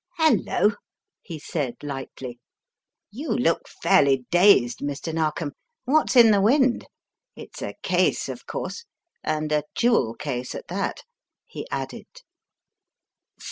"Hello," he said lightly, "you look fairly dazed, Mr. Narkom. What's in the wind? It's a case, of course. And a jewel case at that," he added.